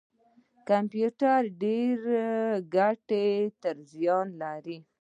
کمپیوټر ته ډیر کتل څه زیان لري؟